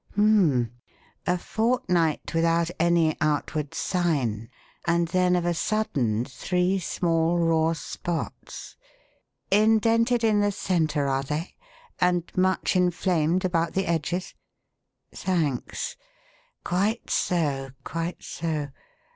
Hum m m! A fortnight without any outward sign and then of a sudden three small raw spots! Indented in the centre are they, and much inflamed about the edges? Thanks! Quite so, quite so!